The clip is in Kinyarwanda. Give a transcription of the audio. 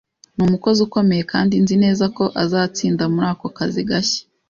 Ni umukozi ukomeye, kandi nzi neza ko azatsinda muri ako kazi gashya